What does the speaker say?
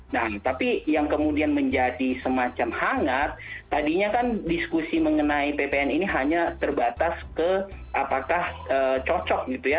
nah tapi yang kemudian menjadi semacam hangat tadinya kan diskusi mengenai ppn ini hanya terbatas ke apakah cocok gitu ya